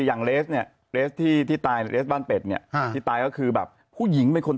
อย่างเนี้ยที่ที่ตายเนี้ยที่ตายก็คือแบบผู้หญิงเป็นคน